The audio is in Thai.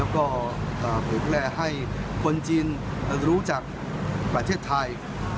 ค่อยแร่เขาให้คนจีนรู้จักประเทศไทย